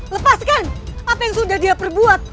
lepaskan apa yang sudah dia perbuat